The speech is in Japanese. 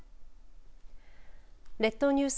列島ニュース